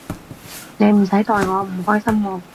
你唔使代我唔開心喎